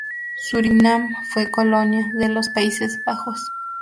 Surinam fue colonia de los Países Bajos.